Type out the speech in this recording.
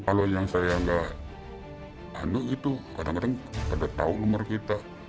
kalau yang saya nggak anu gitu kadang kadang nggak tahu nomor kita